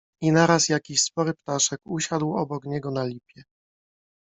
I naraz jakiś spory ptaszek usiadł obok niego na lipie.